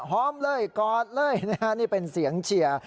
หอมเลยกอดเลยนะฮะนี่เป็นเสียงเชียร์